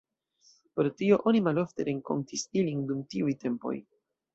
Pro tio oni malofte renkontis ilin dum tiuj tempoj.